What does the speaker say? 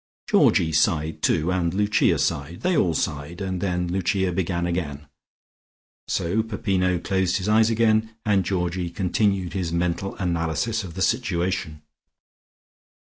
Georgie sighed too, and Lucia sighed; they all sighed, and then Lucia began again. So Peppino closed his eyes again, and Georgie continued his mental analysis of the situation.